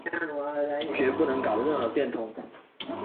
决不能搞任何变通